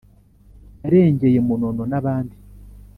yarengeye munono n'abandi